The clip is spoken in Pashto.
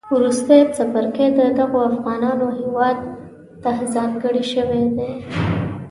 وروستی څپرکی د دغو افغانانو هیواد تهځانګړی شوی دی